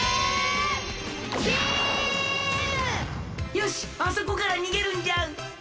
よしあそこからにげるんじゃ！